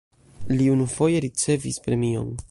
Li unufoje ricevis premion.